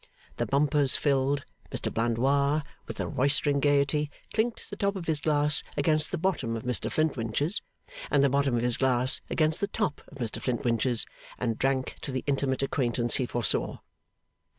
The bumpers filled, Mr Blandois, with a roystering gaiety, clinked the top of his glass against the bottom of Mr Flintwinch's, and the bottom of his glass against the top of Mr Flintwinch's, and drank to the intimate acquaintance he foresaw.